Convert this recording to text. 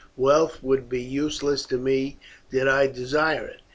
Wealth would be useless to me did I desire it.